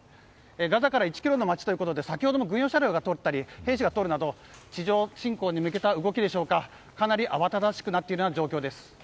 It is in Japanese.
ガザから１ｋｍの街ということで先ほども軍用車両が通ったり、兵士が通るなど地上侵攻に向けた動きでしょうかかなり慌ただしくなっている状況です。